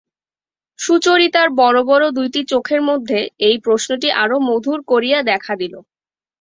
সুচরিতার বড়ো বড়ো দুইটি চোখের মধ্যে এই প্রশ্নটি আরো মধুর করিয়া দেখা দিল।